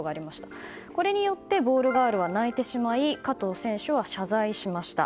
これによってボールガールは泣いてしまい加藤選手は謝罪しました。